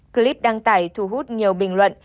clip đăng tải thu hút nhiều bình luận